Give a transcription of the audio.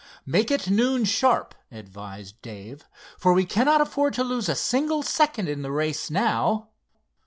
"Make it noon, sharp," advised Dave, "for we cannot afford to lose a single second in the race now."